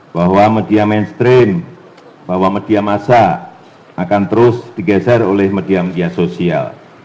bahwa media mainstream bahwa media masa akan terus digeser oleh media media sosial